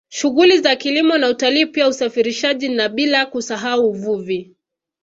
Shughuli za kilimo na utalii pia usafirishaji na bila kusahau uvuvi